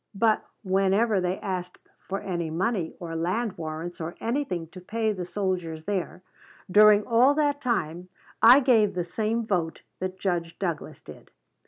But whenever they asked for any money or land warrants or anything to pay the soldiers there, during all that time, I gave the same vote that Judge Douglas did.